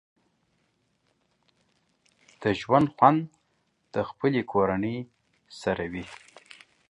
د ژوند خوند د خپلې کورنۍ سره وي